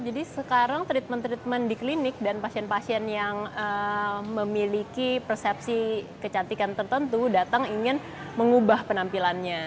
jadi sekarang treatment treatment di klinik dan pasien pasien yang memiliki persepsi kecantikan tertentu datang ingin mengubah penampilannya